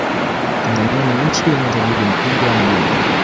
tanzania ni nchi yenye utajiri mkubwa wa madini